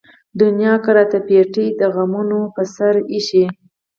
دنيا کۀ راته پېټے د غمونو پۀ سر اېښے